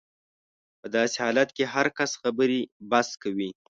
په داسې حالت کې هر کس خبرې بس کوي.